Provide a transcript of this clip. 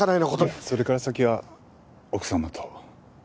いやそれから先は奥様と。